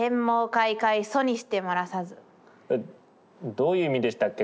どういう意味でしたっけ